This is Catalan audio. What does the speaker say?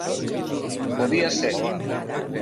Podia ser.